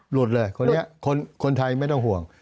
หลุดเลยคนไทยไม่ต้องห่วง